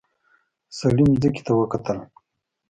سړي ځمکې ته وکتل.